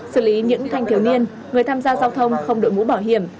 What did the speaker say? xử lý những thanh thiếu niên người tham gia giao thông không đội mũ bảo hiểm